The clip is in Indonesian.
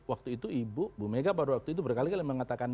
waktu itu ibu mega pada waktu itu berkali kali mengatakan